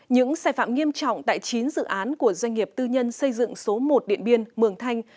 những sai phạm nghiêm trọng tại chín dự án của doanh nghiệp tư nhân xây dựng số một điện biên mường thanh